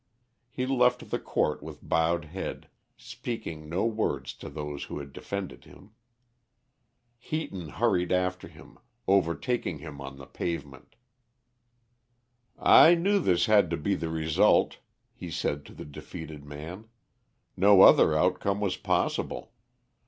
He left the court with bowed head, speaking no word to those who had defended him. Heaton hurried after him, overtaking him on the pavement. "I knew this had to be the result," he said to the defeated man. "No other outcome was possible.